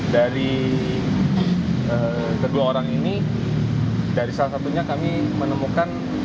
dari kedua orang ini dari salah satunya kami menemukan